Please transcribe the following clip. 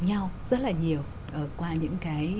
nhau rất là nhiều qua những cái